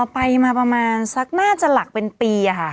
อ๋อไปมาน่าจะกว่าปีอะฮะ